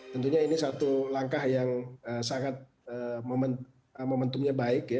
tentunya ini satu langkah yang sangat momentumnya baik ya